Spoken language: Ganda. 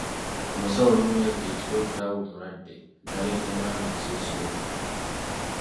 Omusawo olumu yajja ekiro okulaba omulwadde, n'alya ne mmange ekyekiro.